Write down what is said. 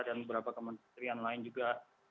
dan beberapa kementerian lainnya